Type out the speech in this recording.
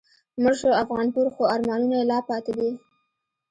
مړ شو افغانپور خو آرمانونه یې لا پاتی دي